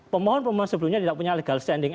pemohon pemohon sebelumnya tidak punya legal standing